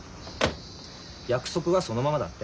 約束はそのままだって。